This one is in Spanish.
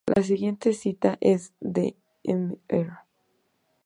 La siguiente cita es de Mr.